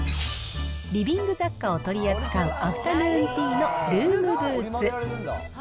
リビング雑貨を取り扱うアフタヌーンティーのルームブーツ。